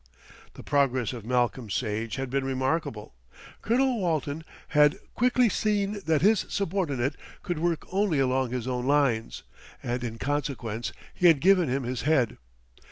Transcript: The progress of Malcolm Sage had been remarkable. Colonel Walton had quickly seen that his subordinate could work only along his own lines, and in consequence he had given him his head.